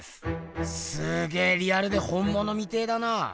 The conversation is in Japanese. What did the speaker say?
すげぇリアルで本ものみてぇだな。